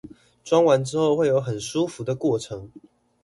裝完之後會有很舒服的過程